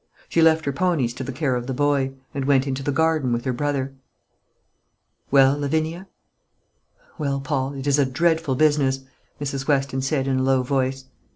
She left her ponies to the care of the boy, and went into the garden with her brother. "Well, Lavinia?" "Well, Paul, it is a dreadful business," Mrs. Weston said, in a low voice.